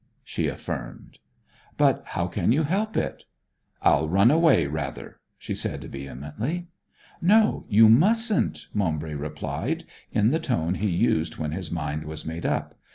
she affirmed. 'But how can you help it?' 'I'll run away rather!' she said vehemently; 'No, you mustn't,' Maumbry replied, in the tone he used when his mind was made up.